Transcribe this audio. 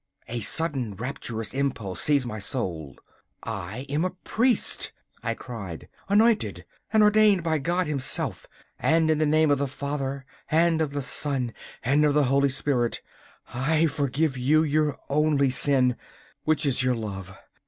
A sudden rapturous impulse seized my soul. 'I am a priest,' I cried, 'anointed and ordained by God Himself, and in the name of the Father, and of the Son, and of the Holy Spirit, I forgive you your only sin, which is your love.